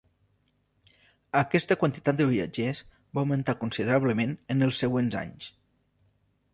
Aquesta quantitat de viatgers va augmentar considerablement en els següents anys.